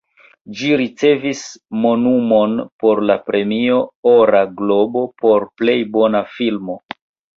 Ĝi ricevis nomumon por la Premio Ora Globo por Plej bona Filmo.